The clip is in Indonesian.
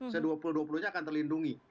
se dua puluh dua puluh nya akan terlindungi